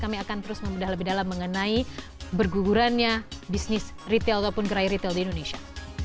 kami akan terus membedah lebih dalam mengenai bergugurannya bisnis retail ataupun gerai retail di indonesia